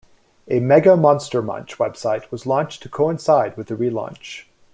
A Mega Monster Munch website was launched to coincide with the relaunch.